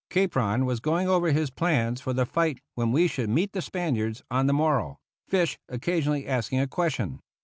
Capron was going over his plans for the fight when we should meet the Spaniards on the morrow, Fish occasionally asking a question.